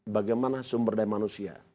bagaimana sumber daya manusia